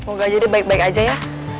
moga jadi baik baik aja ya